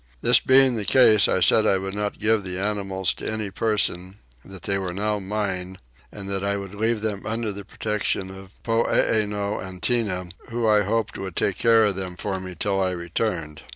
This being the case I said I would not give the animals to any person; that they were now mine and that I would leave them under the protection of Poeeno and Tinah who I hoped would take care of them for me till I returned.